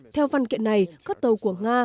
theo văn kiện này các tàu của nga